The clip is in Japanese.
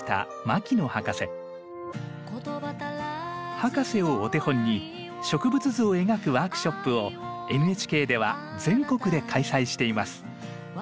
博士をお手本に植物図を描くワークショップをＮＨＫでは全国で開催しています。